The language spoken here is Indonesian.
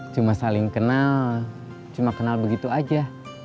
cuma saling kenal cuma kenal begitu aja